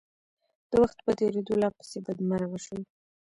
د وخت په تېرېدو لا پسې بدمرغه شول.